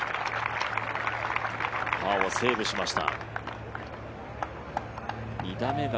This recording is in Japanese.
パーをセーブしました。